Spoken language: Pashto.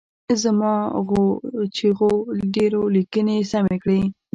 زما غو چیغو ډېرو لیکني سمې کړي.